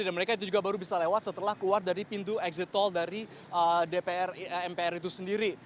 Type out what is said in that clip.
dan mereka itu juga baru bisa lewat setelah keluar dari pintu exit toll dari dpr mpr itu sendiri